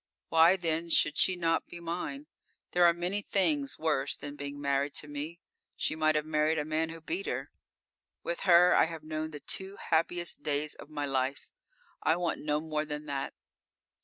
Why then should she not be mine? There are many things worse than being married to me; she might have married a man who beat her!_ _With her I have known the two happiest days of my life. I want no more than that.